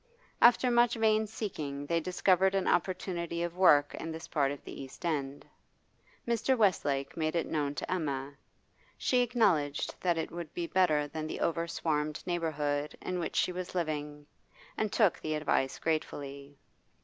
After much vain seeking they discovered an opportunity of work in this part of the East End. Mr. Westlake made it known to Emma; she acknowledged that it would be better than the over swarmed neighbourhood in which she was living, and took the advice gratefully.